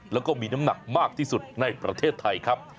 แล้วก็มีน้ำหนักมากที่สุดในประเทศไทยครับ